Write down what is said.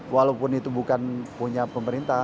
walaupun itu bukan punya pemerintah